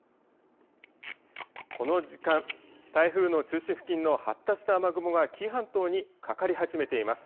この時間、台風の中心付近の発達した雨雲が紀伊半島にかかり始めています。